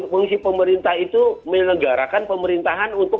fungsi pemerintah itu menegarakan pemerintahan untuk